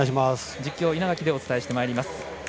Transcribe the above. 実況、稲垣でお伝えしてまいります。